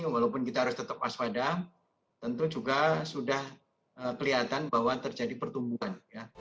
walaupun kita harus tetap waspada tentu juga sudah kelihatan bahwa terjadi pertumbuhan